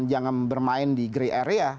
jangan bermain di grey area